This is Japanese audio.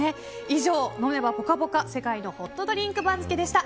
以上、飲めばポカポカ世界のホットドリンク番付でした。